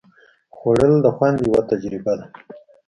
خوړل د خوند یوه تجربه ده